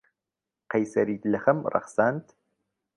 قەیسەریت لە خەم ڕەخساند.